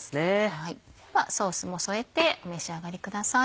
ではソースも添えてお召し上がりください。